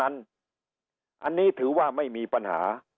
อันนี้ถือว่าไม่มีปัญหา